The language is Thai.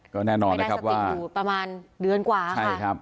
ไม่ได้สติดอยู่ประมาณเดือนกว่า